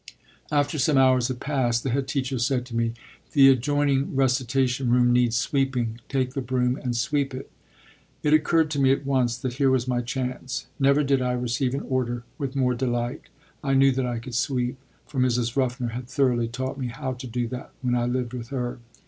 After some hours had passed, the head teacher said to me, "The adjoining recitation room needs sweeping. Take the broom and sweep it." It occurred to me at once that here was my chance. Never did I receive an order with more delight. I knew that I could sweep, for Mrs. Ruffner had thoroughly taught me how to do that when I lived with her.